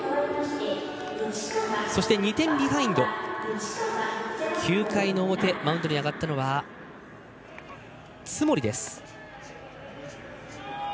そして２点ビハインドと９回の表マウンドに上がったのは津森です。